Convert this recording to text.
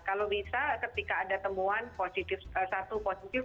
kalau bisa ketika ada temuan satu positif